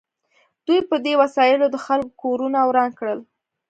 دوی په دې وسایلو د خلکو کورونه وران کړل